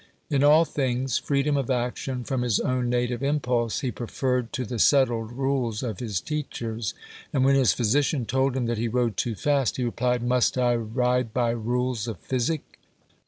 In all things freedom of action from his own native impulse he preferred to the settled rules of his teachers; and when his physician told him that he rode too fast, he replied, "Must I ride by rules of physic?"